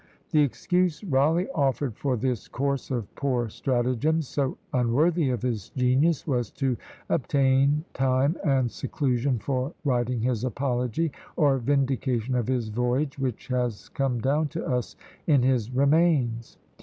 The excuse Rawleigh offered for this course of poor stratagems, so unworthy of his genius, was to obtain time and seclusion for writing his Apology, or Vindication of his Voyage, which has come down to us in his "Remains."